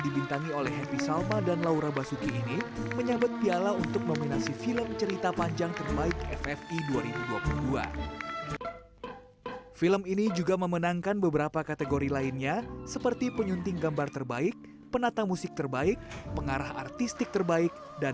saya mengajak lebih banyak lagi pembuat film untuk bicara tentang cerita cerita kita tentang bahasa bahasa kita tentang keluarga keluarga kita dan karakter kita